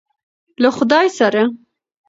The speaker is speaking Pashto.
له خدای سره.